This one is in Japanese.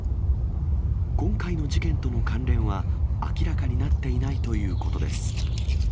今回の事件との関連は明らかになっていないということです。